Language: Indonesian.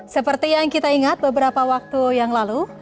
seperti yang kita ingat beberapa waktu yang lalu